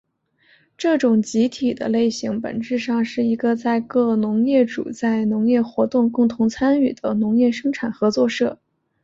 这种集体的类型本质上是一个在各农业主在农业活动共同参与的农业生产合作社。